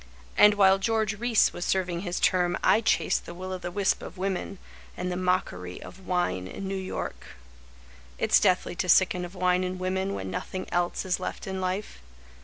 And while George Reece was serving his term I chased the will o the wisp of women And the mockery of wine in New York. It's deathly to sicken of wine and women When nothing else is left in life.